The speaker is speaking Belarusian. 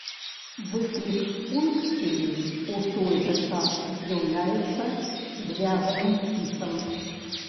Выклік функцыі у той жа час з'яўляецца звязаным спісам.